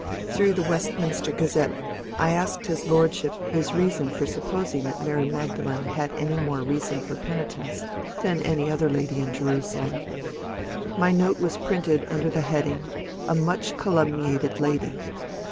Through the Westminster Otuette I asked his lordship his reason for supposing that Mary Magdalene had any more reason for peni tence than any other lady in Jerusalem. My note was printed under the heading A Much Calumniated Lady."